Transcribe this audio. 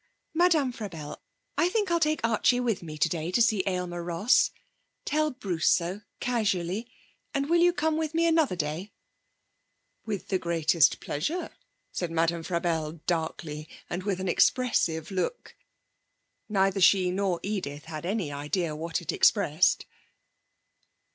Madame Frabelle, I think I'll take Archie with me today to see Aylmer Ross. Tell Bruce so, casually; and will you come with me another day?' 'With the greatest pleasure,' said Madame Frabelle darkly, and with an expressive look. (Neither she nor Edith had any idea what it expressed.)